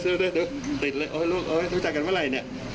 โอ้โฮทุกจากกันเมื่อไหร่เนี้ย